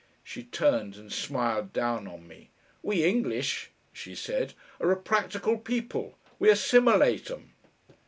She turned and smiled down on me. "We English," she said, "are a practical people. We assimilate 'um."